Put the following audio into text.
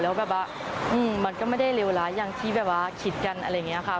แล้วมันก็ไม่ได้เลวร้ายอย่างที่คิดกันอะไรอย่างนี้ค่ะ